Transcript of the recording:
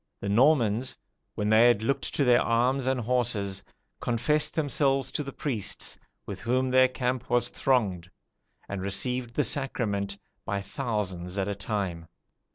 The Normans, when they had looked to their arms and horses, confessed themselves to the priests, with whom their camp was thronged, and received the sacrament by thousands at a time.